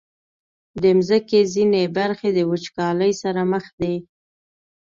د مځکې ځینې برخې د وچکالۍ سره مخ دي.